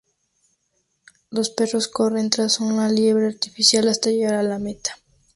Los perros corren tras una liebre artificial hasta llegar a la meta.